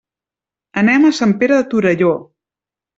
Anem a Sant Pere de Torelló.